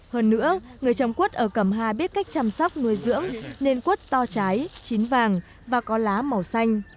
hơn nữa người trồng quất ở cẩm hà biết cách chăm sóc nuôi dưỡng nên quất to trái chín vàng và có lá màu xanh